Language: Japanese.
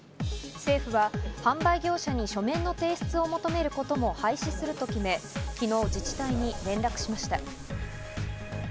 政府は販売業者に書面の提出を求めることも廃止すると決め、昨日、自治体に連絡しました。